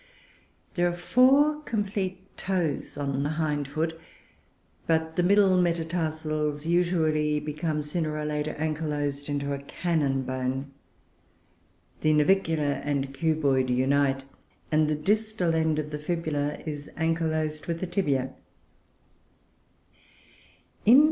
There are four complete toes on the hind foot, but the middle metatarsals usually become, sooner or later, ankylosed into a cannon bone. The navicular and the cuboid unite, and the distal end of the fibula is ankylosed with the tibia.